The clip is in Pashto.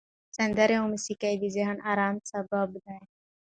سندرې او موسیقي د ذهني آرامۍ سبب دي.